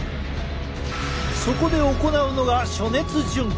そこで行うのが暑熱順化。